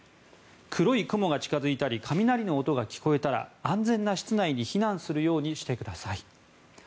黒い雲が近づいたり雷の音が聞こえたら安全な室内に避難するようにしてください。